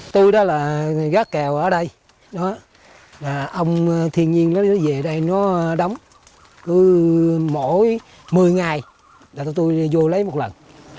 tôi đó là gác kèo ở đây ông thiên nhiên nó về đây nó đóng mỗi một mươi ngày tôi vô lấy một lần